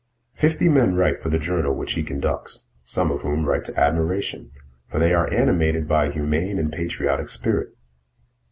Fifty men write for the journal which he conducts, some of whom write to admiration, for they are animated by a humane and patriotic spirit.